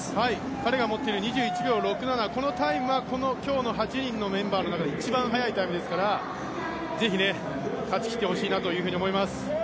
彼が持っている２１秒６７、このタイムはこのメンバーの中で一番速いタイムですから、ぜひ勝ちきってほしいなと思いますね。